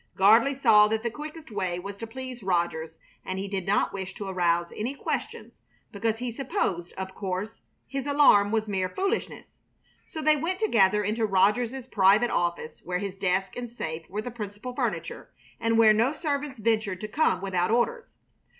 Gardley saw that the quickest way was to please Rogers, and he did not wish to arouse any questions, because he supposed, of course, his alarm was mere foolishness. So they went together into Rogers's private office, where his desk and safe were the principal furniture, and where no servants ventured to come without orders.